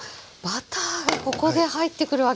バターがここで入ってくるわけですね。